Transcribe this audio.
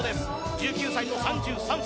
１９歳と３３歳。